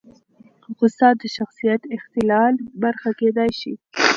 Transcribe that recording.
غوسه د شخصیت اختلال برخه کېدای شي.